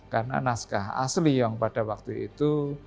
karena naskah asli yang pada waktu itu